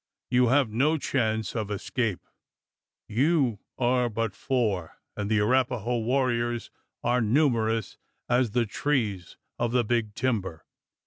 You have no chance of escape. You are but four, and the Arapaho warriors are numerous as the trees of the Big Timber.